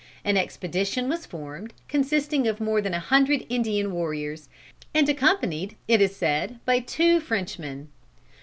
An expedition was formed, consisting of more than a hundred Indian warriors, and accompanied it is said by two Frenchmen.